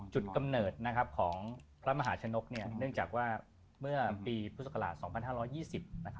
กำเนิดของพระมหาชนกเนื่องจากว่าเมื่อปีพุทธศักราช๒๕๒๐